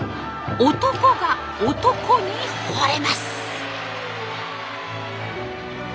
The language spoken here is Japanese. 男が男にほれます。